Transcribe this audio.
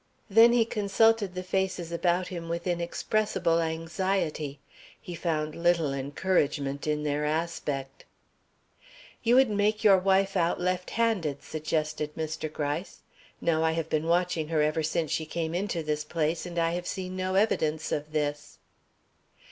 Then he consulted the faces about him with inexpressible anxiety. He found little encouragement in their aspect. "You would make your wife out left handed," suggested Mr. Gryce. "Now I have been watching her ever since she came into this place, and I have seen no evidence of this."